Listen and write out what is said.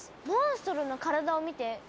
モンストロの体を見て。